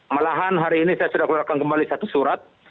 malahan hari ini saya sudah keluarkan kembali satu surat